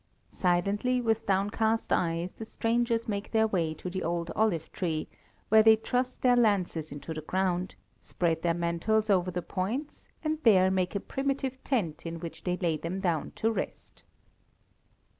Silently, with downcast eyes, the strangers make their way to the old olive tree, where they thrust their lances into the ground; spread their mantles over the points and there make a primitive tent in which they lay them down to rest.